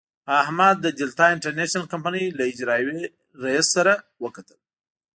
احمد د دلتا انټرنشنل کمينۍ له اجرائیوي رئیس سره وکتل.